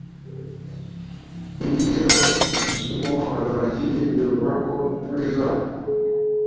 Iyo amasomo arangiye birashoboka ko imvura izagwa